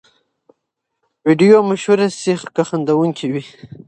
ویډیو مشهورې شي که خندوونکې وي.